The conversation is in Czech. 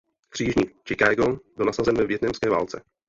Křižník "Chicago" byl nasazen ve vietnamské válce.